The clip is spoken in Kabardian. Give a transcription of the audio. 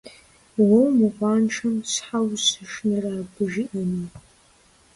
Уэ умыкъуаншэм щхьэ ущышынэрэ абы жиӀэнум?